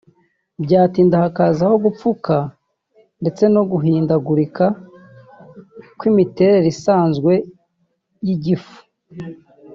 byatinda hakazaho gupfuka ndetse no guhindagurika kw’imiterere isanzwe y’igifu